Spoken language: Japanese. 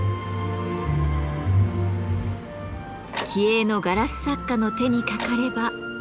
気鋭のガラス作家の手にかかれば。